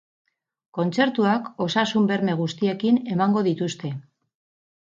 Kontzertuak osasun berme guztiekin emango dituzte.